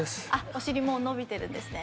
お尻もう伸びてるんですね。